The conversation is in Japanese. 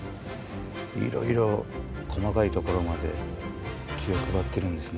いろいろ細かいところまで気を配ってるんですね。